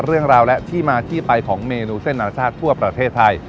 เรื่องราวและที่มาที่ไปของเมนูเส้นอนาชาติทั่วประเทศไทย